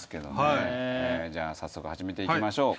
じゃあ早速始めていきましょう。